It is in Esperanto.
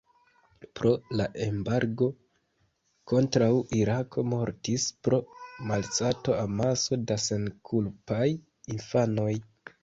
Pro la embargo kontraŭ Irako mortis pro malsato amaso da senkulpaj infanoj.